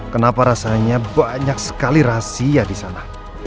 kenapa rasanya banyak sekali rahasia di sana